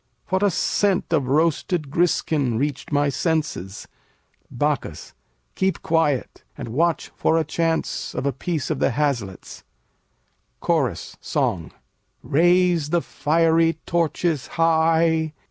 What a scent of roasted griskin reached my senses! Bac. Keep quiet and watch for a chance of a piece of the haslets. CHORUS [song] Raise the fiery torches high!